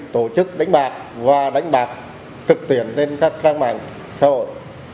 tổ chức đánh bạc và đánh bạc trực tuyến trên các trang mạng xã hội